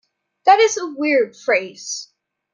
That is a weird phrase.